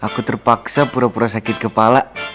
aku terpaksa pura pura sakit kepala